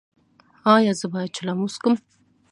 ایا زه باید چلم وڅکوم؟